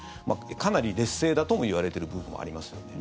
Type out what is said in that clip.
かなり劣勢だともいわれている部分もありますよね。